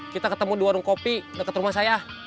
kita ketemu di warung kopi dekat rumah saya